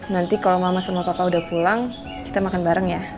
nanti kalau mama sama papa udah pulang kita makan bareng ya